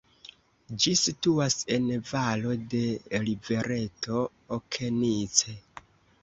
Ĝi situas en valo de rivereto Okenice.